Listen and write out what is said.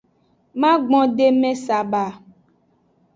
Magbondeme saba.